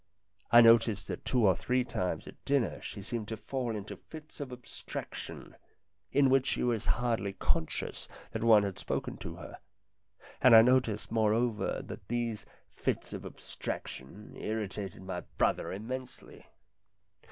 I noticed that two or three times at dinner she seemed to fall into fits of abstraction, in which she was hardly conscious that one had spoken to her ; and I noticed, moreover, that these fits of abstraction irritated my brother immensely.